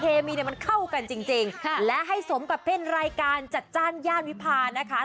เคมีเนี่ยมันเข้ากันจริงและให้สมกับเป็นรายการจัดจ้านย่านวิพานะคะ